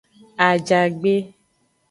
Ajagbe.